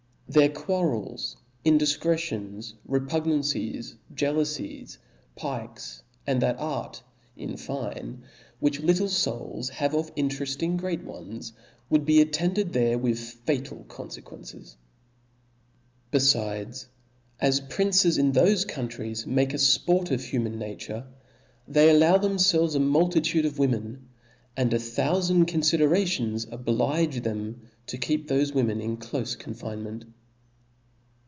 Their quarrels, indifcretions, repugnances, jealoufies, piques, and that art, in fine, which little fouls have of interefting great ones, would be attended there with fatal confequences. Befidcs, as princes in thofe countries make a fport of human nature, they allow themfelves a multitude of women; and ^ thoufand confidera tions oblige them to keep thofe women in clofe confinement.